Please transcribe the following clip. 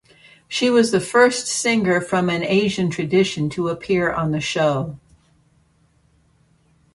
She was the first singer from an Asian tradition to appear on the show.